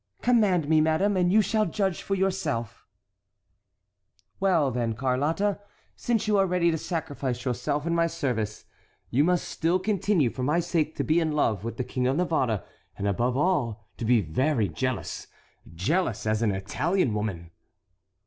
"Command me, madame, and you shall judge for yourself." "Well, then, Carlotta, since you are ready to sacrifice yourself in my service, you must still continue for my sake to be in love with the King of Navarre and, above all, to be very jealous,—jealous as an Italian woman."